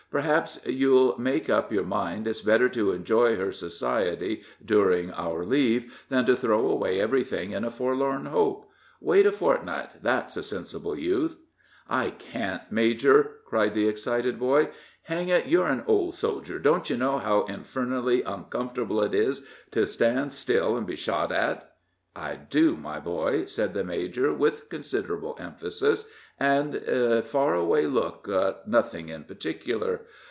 Perhaps you'll make up your mind it's better to enjoy her society, during our leave, than to throw away everything in a forlorn hope. Wait a fortnight, that's a sensible youth." "I can't, major!" cried the excited boy. "Hang it! you're an old soldier don't you know how infernally uncomfortable it is to stand still and be shot at?" "I do, my boy," said the major, with considerable emphasis, and a far away look at nothing in particular.